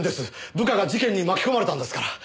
部下が事件に巻き込まれたんですから。